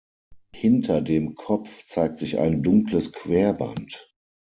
Hinter dem Kopf zeigt sich ein dunkles Querband.